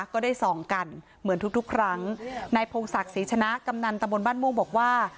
ก็ได้ส่องกันเหมือนทุกทุกครั้งนายพงศักดิ์ศรีชนะกำนันตะบนบ้านม่วงบอกว่า